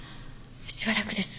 しばらくです。